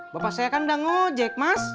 bapak saya kan udah ngejek mas